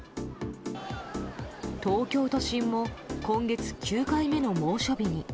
東京都心も今月９回目の猛暑日に。